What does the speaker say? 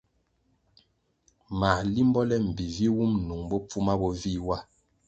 Mā limbo le mbpi vi wum nung bopfuma bo vih wa.